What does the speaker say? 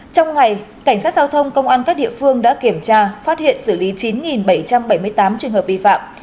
trong ngày cảnh sát giao thông công an các địa phương đã kiểm tra phát hiện xử lý chín bảy trăm bảy mươi tám trường hợp vi phạm